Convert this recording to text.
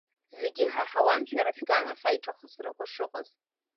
Зегьы иҳаҳауан шәара шәган ахь аиҿахысрақәа шыҟаз.